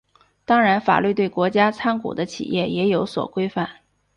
当然法律对国家参股的企业也有所规范。